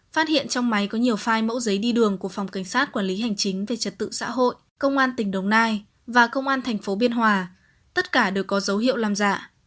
phát hiện trong máy có nhiều file mẫu giấy đi đường của phòng cảnh sát quản lý hành chính về trật tự xã hội công an tỉnh đồng nai và công an thành phố biên hòa tất cả đều có dấu hiệu làm giả